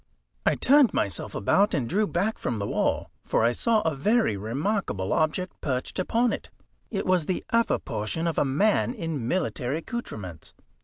I turned myself about, and drew back from the wall, for I saw a very remarkable object perched upon it. It was the upper portion of a man in military accoutrements.